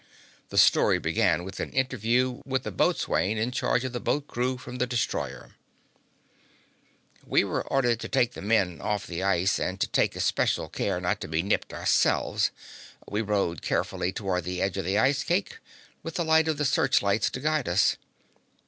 The story began with an interview with the boatswain in charge of the boat crew from the destroyer: We were ordered to take the men off the ice and to take especial care not to be nipped ourselves. We rowed carefully toward the edge of the ice cake, with the light of the searchlights to guide us.